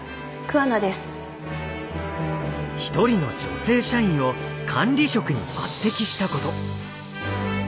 一人の女性社員を管理職に抜てきしたこと。